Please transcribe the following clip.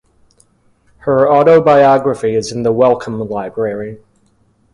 Her autobiography is in the Wellcome Library.